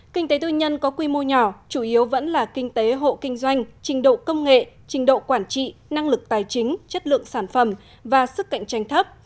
kinh tế tư nhân có quy mô nhỏ chủ yếu vẫn là kinh tế hộ kinh doanh trình độ công nghệ trình độ quản trị năng lực tài chính chất lượng sản phẩm và sức cạnh tranh thấp